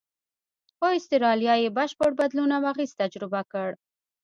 خو استرالیا یې بشپړ بدلون او اغېز تجربه کړ.